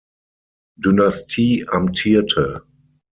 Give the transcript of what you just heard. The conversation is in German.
Dynastie amtierte.